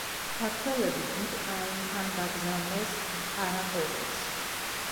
ქართველები დიდ ყაენთან გაგზავნეს ყარაყორუმში.